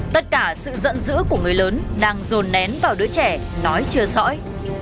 tất cả sự giận dữ của người lớn đang dồn nén vào đứa trẻ nói chừa sõi